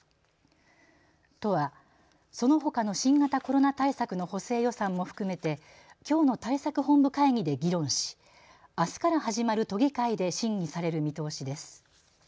都はそのほかの新型コロナ対策の補正予算も含めてきょうの対策本部会議で議論しあすから始まる都議会で審議される見通しです。